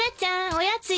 おやつよ。